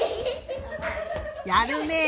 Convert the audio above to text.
やるねえ。